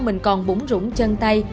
mình còn bủng rũng chân tay